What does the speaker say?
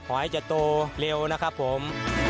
ให้จะโตเร็วนะครับผม